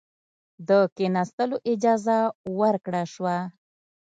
د کښېنستلو اجازه ورکړه شوه.